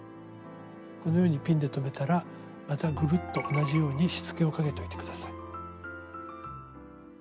このようにピンで留めたらまたグルッと同じようにしつけをかけといて下さい。